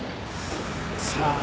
さあ。